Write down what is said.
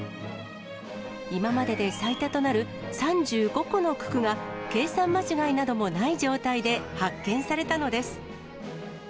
今までで最多となる３５個の九九が、計算間違いなどもない状態で発見されたのです。